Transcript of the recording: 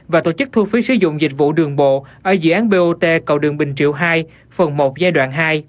và tổ chức thu phí sử dụng dịch vụ đường bộ ở dự án bot cầu đường bình triệu hai phần một giai đoạn hai